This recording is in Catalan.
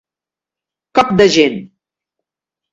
Cop de gent.